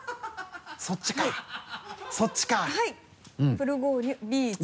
ブルゴーニュビーチ。